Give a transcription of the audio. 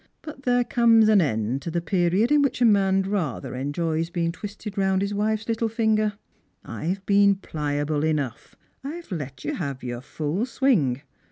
But there comes an end to the period in which a man rather enjoys being twisted round his wife's little finger, I've been pliable enough. I've let you have your full swing.